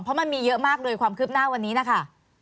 เพราะมันมีเยอะมากเลยความคืบหน้าวันนี้นะคะ